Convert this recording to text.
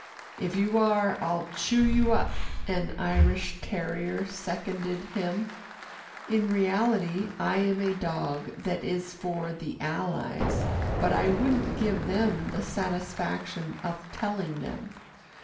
"If you are, I'll chew you up," an Irish terrier seconded him. In reality, I am a dog that is for the Allies, but I wouldn't give them the satisfaction of telling them.